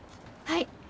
はい。